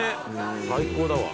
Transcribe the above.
最高だわ。